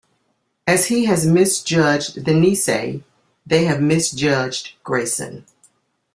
As he has misjudged the Nisei, they have misjudged Grayson.